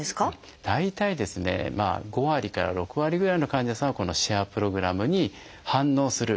大体ですね５割から６割ぐらいの患者さんはこのシェアプログラムに反応する。